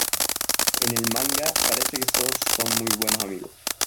En el Manga parece que solo son muy buenos amigos.